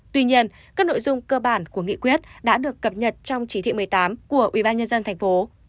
tuy nhiên các nội dung cơ bản của nghị quyết đã được cập nhật trong chỉ thị một mươi tám của ubnd tp